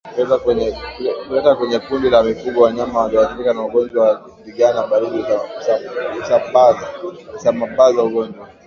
Kuleta kwenye kundi la mifugo wanyama waliothirika na ugonjwa wa ndigana baridi husamabaza ugonjwa